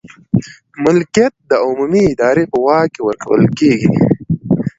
ملکیت د عمومي ادارې په واک کې ورکول کیږي.